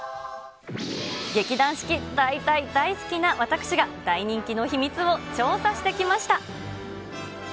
劇団四季、大大大好きな私が、大人気の秘密を調査してきました。